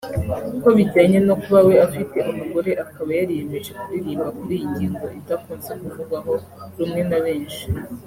Ku bijyanye no kuba we afite umugore akaba yariyemeje kuririmba kuri iyi ngingo idakunze kuvugwaho rumwe na benshi